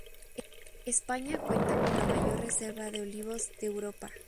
España cuenta con la mayor reserva de olivos de Europa.